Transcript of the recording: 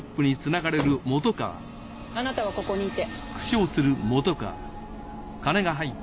あなたはここにいて。